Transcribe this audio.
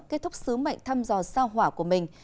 kết thúc sứ mệnh thăm dò sao hỏa của mình